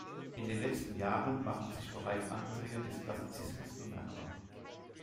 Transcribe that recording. In den letzten Jahren machen sich bereits Anklänge des Klassizismus bemerkbar.